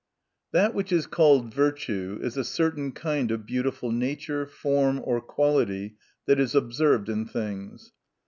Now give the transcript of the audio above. That which is called virtue, is a certain kind of beautiful nature, form or quality that is observed in things.